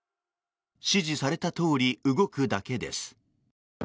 指示されたとおり動くだけです。